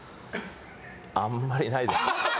あんまりないですね。